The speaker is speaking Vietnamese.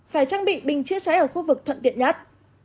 phải trang bị bình chữa cháy ở khu vực thuận tiện nhất